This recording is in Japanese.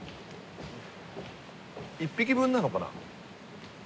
１匹分なのかな？